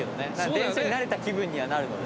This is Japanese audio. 電車になれた気分にはなるので。